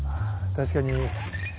確かに。